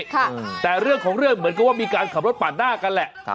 แต่เรื่องของเรื่องเหมือนกับว่ามีการขับรถปาดหน้ากันแหละ